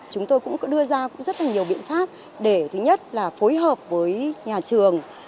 chúng tôi cũng đưa ra rất nhiều biện pháp để thứ nhất là phối hợp với nhà trường